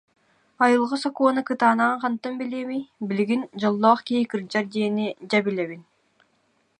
Айылҕа сокуона кытаанаҕын хантан билиэмий, билигин «дьоллоох киһи кырдьар» диэни, дьэ, билэбин